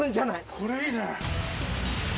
これいいね。